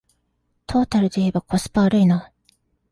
トータルでいえばコスパ悪いな